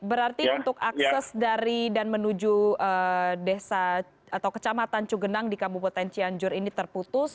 berarti untuk akses dari dan menuju desa atau kecamatan cugenang di kabupaten cianjur ini terputus